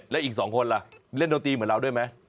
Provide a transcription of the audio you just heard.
และอีก๒คนล่ะเล่นดนตรีเหมือนเราด้วยไหม